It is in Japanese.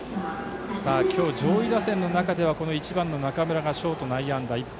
今日は上位打線の中では１番の中村がショートへの内野安打が１本。